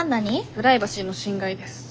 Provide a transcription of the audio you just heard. プライバシーの侵害です。